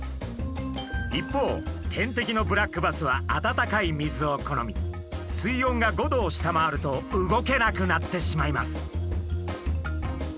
一方天敵のブラックバスは温かい水を好み水温が５℃を下回ると動けなくなってしまいます。